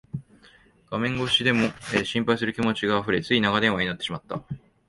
電話越しでも心配する気持ちがあふれ、つい長電話になってしまった